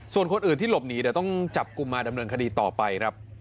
ส่วนคนอื่นที่หลบหนีเดี๋ยวต้องจับกลุ่มมาดำเนินคดีต่อไปครับ